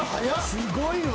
すごいわ。